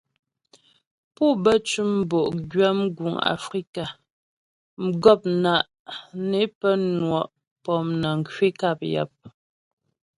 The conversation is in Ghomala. Pú bə cʉm bo'gwyə mguŋ Afrika, mgɔpna' ne pə́ nwɔ' pɔmnəŋ kwi nkap yap.